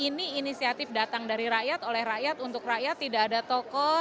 ini inisiatif datang dari rakyat oleh rakyat untuk rakyat tidak ada tokoh